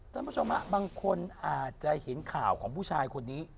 ท่านผู้ชมฮะบางคนอาจจะเห็นข่าวของผู้ชายคนนี้